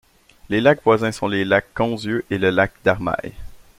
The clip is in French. Les lacs voisins sont les lacs de Conzieu et le lac d'Armaille.